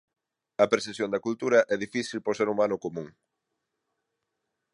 A percepción da cultura é difícil para o ser humano común.